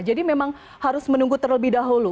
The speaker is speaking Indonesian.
jadi memang harus menunggu terlebih dahulu